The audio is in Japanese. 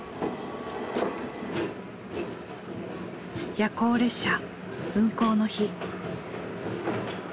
夜行列車運行の日。